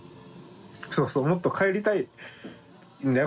そうそうもっと帰りたいんだよ